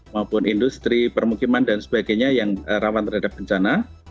maupun industri permukiman dan sebagainya yang rawan terhadap bencana